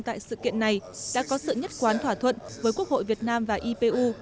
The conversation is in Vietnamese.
tại sự kiện này đã có sự nhất quán thỏa thuận với quốc hội việt nam và ipu